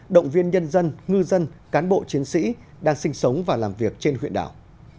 động viên nhân dân ngư dân cán bộ chiến sĩ đang sinh sống và làm việc trên huyện đảo